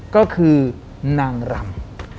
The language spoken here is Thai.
ก็คือนางรำ